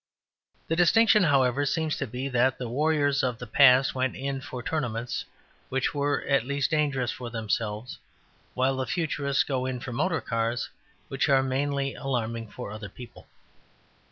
The distinction, however, seems to be that the warriors of the past went in for tournaments, which were at least dangerous for themselves, while the Futurists go in for motor cars, which are mainly alarming for other people.